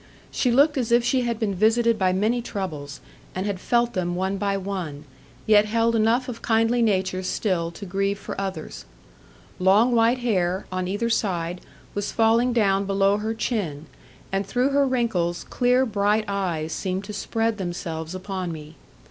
She looked as if she had been visited by many troubles, and had felt them one by one, yet held enough of kindly nature still to grieve for others. Long white hair, on either side, was falling down below her chin; and through her wrinkles clear bright eyes seemed to spread themselves upon me.